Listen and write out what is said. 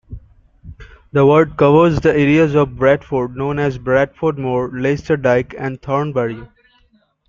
The ward covers the areas of Bradford known as Bradford Moor, Laisterdyke and Thornbury.